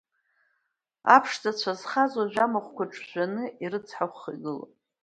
Аԥшӡара-цәа зхаз, уажәы амахәқәа ҿжәаны, ирыцҳахәха игылоуп.